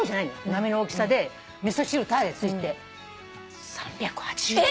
並の大きさで味噌汁タダでついて３８０円。